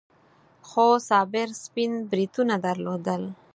خو صابر سپين بریتونه درلودل.